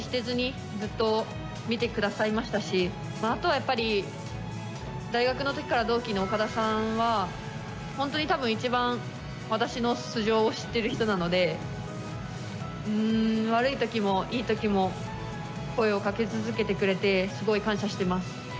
あとは大学の時から同期の岡田さんは本当に一番私の素性を知っている人なので悪い時もいい時も声をかけ続けてくれてすごい感謝しています。